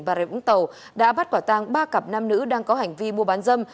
bà rệ vũng tàu đã bắt quả tàng ba cặp nam nữ đang có hành vi mua bán dâm